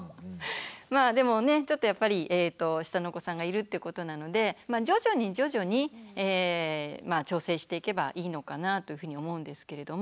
まあでもねちょっとやっぱり下のお子さんがいるってことなので徐々に徐々に調整していけばいいのかなというふうに思うんですけれども。